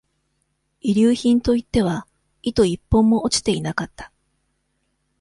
遺留品といっては、糸一本も落ちていなかった。